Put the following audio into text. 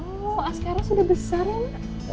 oh askara sudah besar ya